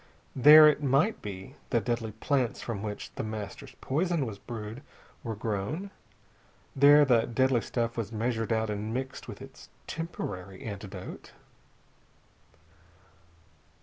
There, it might be, the deadly plants from which The Master's poison was brewed were grown. There the deadly stuff was measured out and mixed with its temporary antidote....